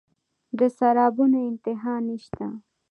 د سرابونو انتها نشته